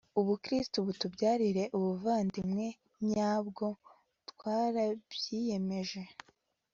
ubukristu butubyarire ubuvandimwe nyabwo, twarabyiyemeje